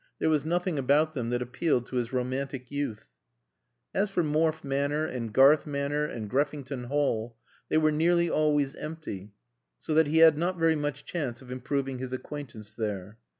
There was nothing about them that appealed to his romantic youth. As for Morfe Manor, and Garth Manor and Greffington Hall, they were nearly always empty, so that he had not very much chance of improving his acquaintance there.